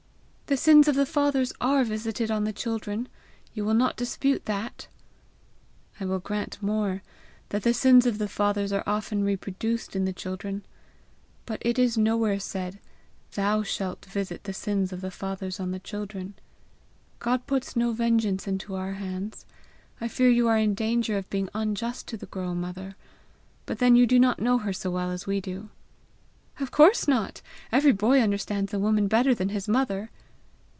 "The sins of the fathers are visited on the children! You will not dispute that?' "I will grant more that the sins of the fathers are often reproduced in the children. But it is nowhere said, 'Thou shalt visit the sins of the fathers on the children.' God puts no vengeance into our hands. I fear you are in danger of being unjust to the girl, mother! but then you do not know her so well as we do!" "Of course not! Every boy understands a woman better than his mother!"